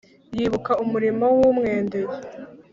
y’ibuka umurimo w’umwendeye